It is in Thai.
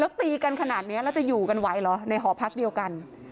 ตีกันขนาดนี้แล้วจะอยู่กันไหวเหรอในหอพักเดียวกัน